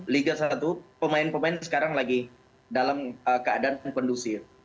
liga satu pemain pemain sekarang lagi dalam keadaan kondusif